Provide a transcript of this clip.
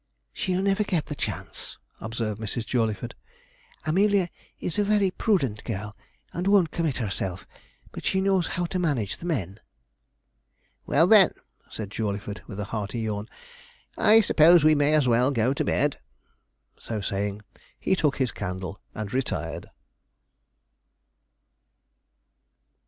'She'll never get the chance,' observed Mrs. Jawleyford. 'Amelia is a very prudent girl, and won't commit herself, but she knows how to manage the men.' 'Well, then,' said Jawleyford, with a hearty yawn, 'I suppose we may as well go to bed.' So saying, he took his candle and retired.